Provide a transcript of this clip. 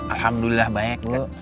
alhamdulillah banyak ibu